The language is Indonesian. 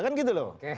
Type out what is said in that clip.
kan gitu loh